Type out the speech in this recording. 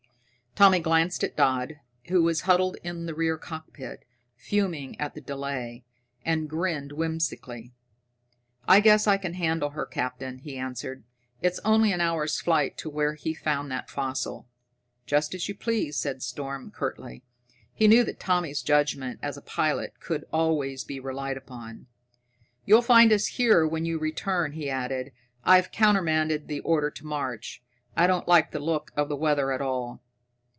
Tommy glanced at Dodd, who was huddled in the rear cockpit, fuming at the delay, and grinned whimsically. "I guess I can handle her, Captain," he answered. "It's only an hour's flight to where he found that fossil." "Just as you please," said Storm curtly. He knew that Tommy's judgment as a pilot could always be relied upon. "You'll find us here when you return," he added. "I've counter manded the order to march. I don't like the look of the weather at all."